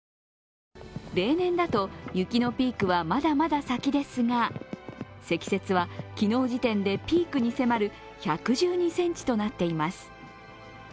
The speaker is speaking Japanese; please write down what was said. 例年だと雪のピークはまだまだ先ですが、積雪は昨日時点でピークに迫る１１２ｃｍとなっています。